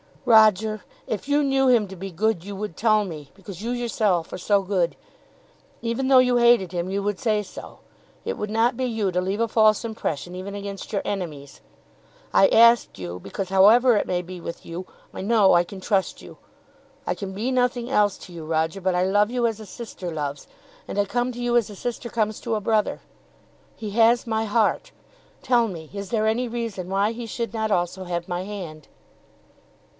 "Roger, if you knew him to be good you would tell me, because you yourself are so good. Even though you hated him you would say so. It would not be you to leave a false impression even against your enemies. I ask you because, however it may be with you, I know I can trust you. I can be nothing else to you, Roger; but I love you as a sister loves, and I come to you as a sister comes to a brother. He has my heart. Tell me; is there any reason why he should not also have my hand?"